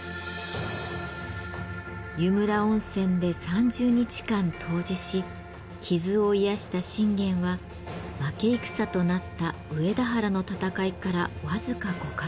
湯村温泉で３０日間湯治し傷を癒やした信玄は負け戦となった上田原の戦いから僅か５か月後再び出陣。